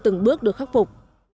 từng bước được khắc phục